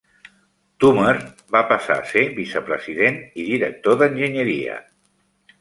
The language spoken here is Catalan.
Toomer va passar a ser vicepresident i director d"enginyeria.